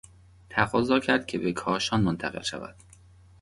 تقاضا کرد که به کاشان منتقل شود.